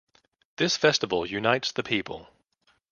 This festival unites the people.